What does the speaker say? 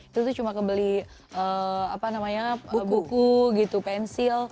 itu tuh cuma kebeli apa namanya buku gitu pensil